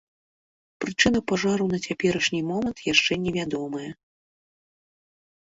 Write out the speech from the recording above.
Прычына пажару на цяперашні момант яшчэ не вядомая.